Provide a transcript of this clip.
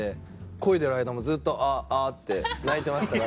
こいでる間もずっと「アッアッ」て鳴いてましたね。